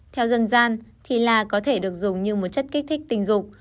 theo dân gian thì là có thể được dùng như một chất kích thích tình dục